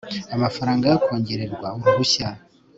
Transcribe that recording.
amafaranga yo kongererwa uruhushya